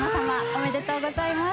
おめでとうございます。